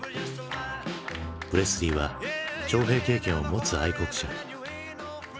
プレスリーは徴兵経験を持つ愛国者。